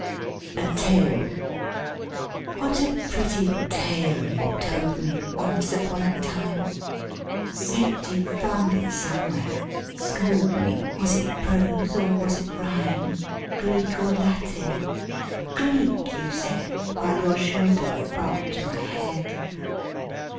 A TALE " What a pretty tale you told me Once upon a time Said you found it somewhere (scold me!) Was it prose or was it rhyme, Greek or Latin? Greek, you said, While your shoulder propped my head.